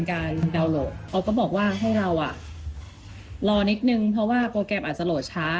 เขาก็บอกว่าให้เรานิดนึงเพราะว่าโปรแกรมอาจจะโหลดช้า